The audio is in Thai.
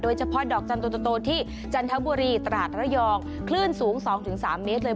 โดยเฉพาะดอกจำโตโตโตโตที่จันทบุรีตราดระยองคลื่นสูงสองถึงสามเมตรเลย